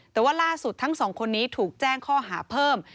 แต่ว่าล่าสุดทั้งสองคนนี้ถูกแจ้งข้อหาเพิ่ม